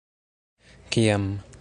- Kiam?